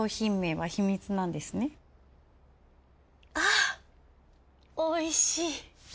あおいしい。